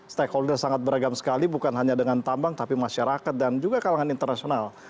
stakeholder sangat beragam sekali bukan hanya dengan tambang tapi masyarakat dan juga kalangan internasional